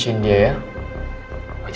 kayaknya ada yang ga beres